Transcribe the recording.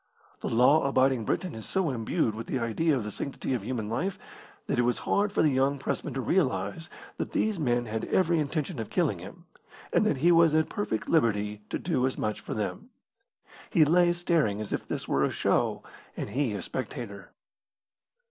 The law abiding Briton is so imbued with the idea of the sanctity of human life that it was hard for the young pressman to realise that these men had every intention of killing him, and that he was at perfect liberty to do as much for them. He lay staring as if this were a show and he a spectator.